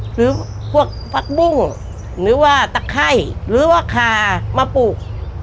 หรือพวกผักบุ้งหรือว่าตะไข้หรือว่าคามาปลูก